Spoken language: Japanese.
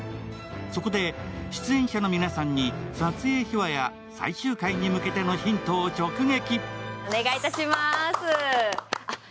そこで、出演者の皆さんに撮影秘話や最終回に向けてのヒントを直撃。